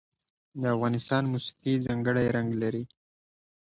د افغانستان موسیقي ځانګړی رنګ لري.